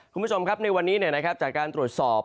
คุณผู้ชมครับในวันนี้จากการตรวจสอบ